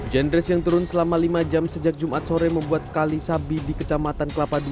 genrez yang turun selama lima jam sejak jumat sore membuat kali sabi di kecamatan kelapa ii